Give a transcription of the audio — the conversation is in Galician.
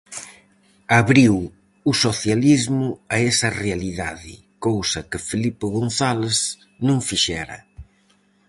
Abriu o socialismo a esa realidade, cousa que Felipe González non fixera.